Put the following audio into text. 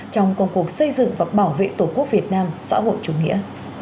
trong công cuộc xây dựng và bảo vệ tổ quốc việt nam xã hội chủ nghĩa